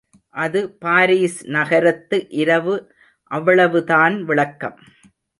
அது பாரிஸ் நகரத்து இரவு அவ்வளவுதான் விளக்கம்.